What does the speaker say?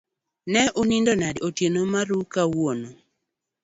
Ne unindo nade otieno moruu kawuono?